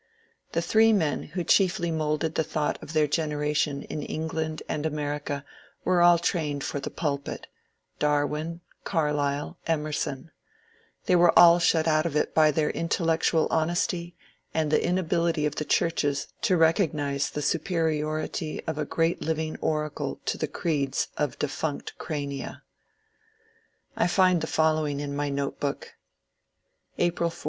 The three men who chiefly moulded the thought of their generation in England and America were aU trained for the pulpit — Darwin, Carlyle, Emerson : they were all shut out of it by their intellectual honesty and the inability of the churches to recognize the superiority of a great living oracle to the creeds of defunct crania. I find the following in my note book :— April 4.